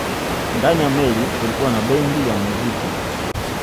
Ndani ya meli kulikuwa na bendi ya muziki